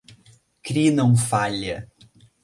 Kri não falha.